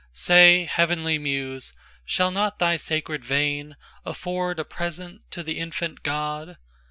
IIISay, Heavenly Muse, shall not thy sacred veinAfford a present to the Infant God?